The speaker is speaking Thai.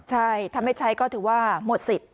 ใช่ถ้าไม่ใช้ก็ถือว่าหมดสิทธิ์